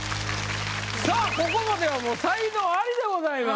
さあここまではもう才能アリでございます。